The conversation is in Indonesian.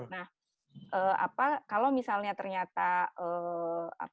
nah apa kalau misalnya ternyata apa lebih dari ya